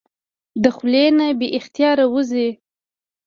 د خلې نه بې اختياره اوځي